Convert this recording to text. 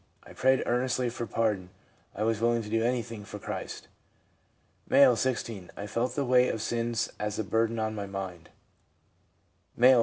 I prayed earnestly for pardon; I was willing to do anything for Christ. 1 M., 16. 'I felt the weight of sin as a burden on my mind/ M., 37.